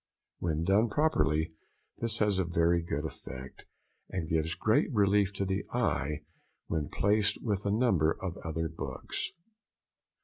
When done properly this has a very good effect, and gives great relief to the eye when placed with a number of other books.